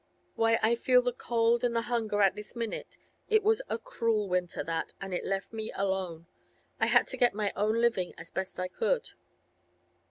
Why, I feel the cold and the hunger at this minute! It was a cruel winter, that, and it left me alone. I had to get my own living as best I could.